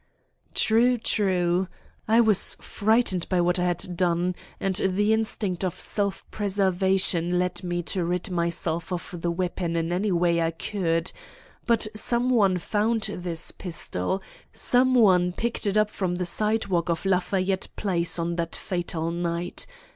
"True, true. I was frightened by what I had done, and the instinct of self preservation led me to rid myself of the weapon in any way I could. But some one found this pistol; some one picked it up from the sidewalk of Lafayette Place on that fatal night.